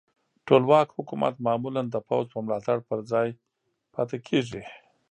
ټولواک حکومت معمولا د پوځ په ملاتړ پر ځای پاتې کیږي.